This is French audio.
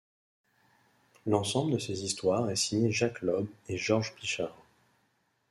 L'ensemble de ces histoires est signé Jacques Lob et George Pichard.